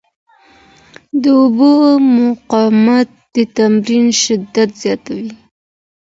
د اوبو مقاومت د تمرین شدت زیاتوي.